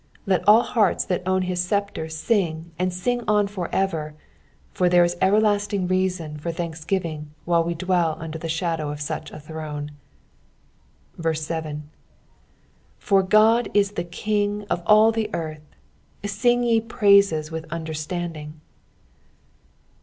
Let all heuls that own hia aceptresing and singon for ever, for there ia everlasting reason for tliooksgiving while we dvell under the shadow of such a throne. 7 For God w the King of all the earth : sing ye praises with understanding.